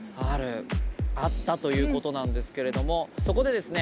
あったということなんですけれどもそこでですね